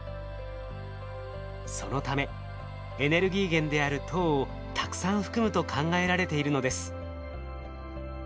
そのためエネルギー源である糖をたくさん含むと考えられているのです。